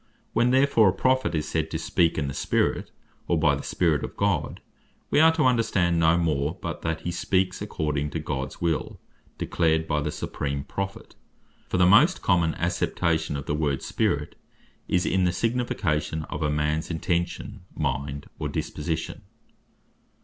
When therefore a Prophet is said to speak in the Spirit, or by the Spirit of God, we are to understand no more, but that he speaks according to Gods will, declared by the supreme Prophet. For the most common acceptation of the word Spirit, is in the signification of a mans intention, mind, or disposition.